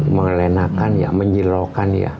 melenakan ya menyilaukan ya